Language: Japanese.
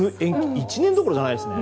１年どころじゃないですね。